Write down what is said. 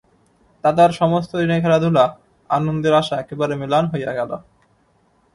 তাতার সমস্ত দিনের খেলাধূলা আনন্দের আশা একেবারে ম্লান হইয়া গেল।